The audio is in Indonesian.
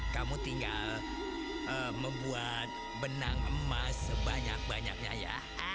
kamu tinggal membuat benang emas sebanyak banyaknya ya